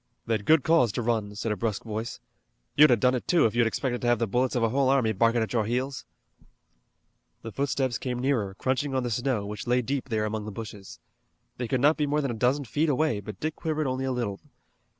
"They'd good cause to run," said a brusque voice. "You'd a done it, too, if you'd expected to have the bullets of a whole army barkin' at your heels." The footsteps came nearer, crunching on the snow, which lay deep there among the bushes. They could not be more than a dozen feet away, but Dick quivered only a little.